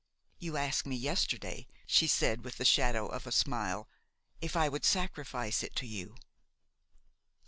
"You asked me yesterday," she said with the shadow of a smile, "if I would sacrifice it to you."